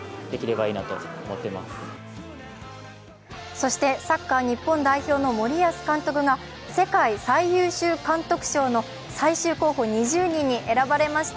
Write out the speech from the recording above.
そして、サッカー日本代表の森保監督が世界最優秀監督賞の最終候補２０人に選ばれました。